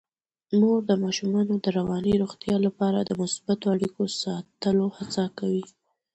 مور د ماشومانو د رواني روغتیا لپاره د مثبتو اړیکو ساتلو هڅه کوي.